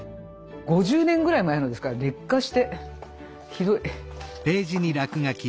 ５０年ぐらい前のですから劣化してひどい。